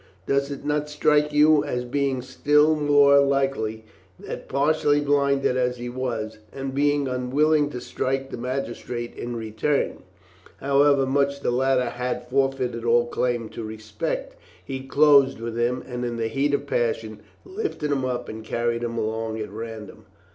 Does it not strike you as being still more likely that, partially blinded as he was, and being unwilling to strike the magistrate in return, however much the latter had forfeited all claim to respect, he closed with him, and in the heat of passion lifted him up and carried him along at random?"